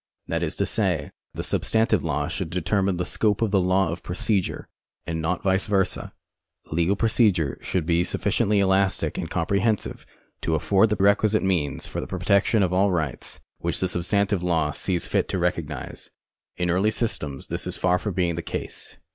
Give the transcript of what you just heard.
That is to say, the substantive law should determine the scope of the law of procedure, and not vice versa. Legal procedure should be sulTlciently elastic and comprehensive to afford the requisite means for the protection of all rights which the substantive law sees lit to recognise. In early systems this is far from being the case.